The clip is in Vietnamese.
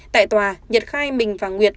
tại tòa nhật khai mình và nguyệt